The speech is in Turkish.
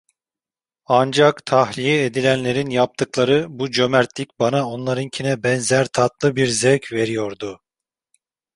Ancak tahliye edilenlerin yaptıkları bu cömertlik bana onlarınkine benzer tatlı bir zevk veriyordu.